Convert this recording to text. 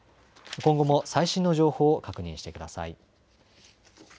今後も最新の情報を確認してください。